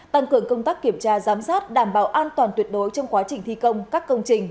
tăng cường công tác kiểm tra giám sát đảm bảo an toàn tuyệt đối trong quá trình thi công các công trình